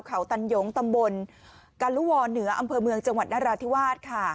เข่าตันยงตำบลกัลลูวอลเหนืออำเภอเมืองจังหวัดนราชที่วาดค่ะ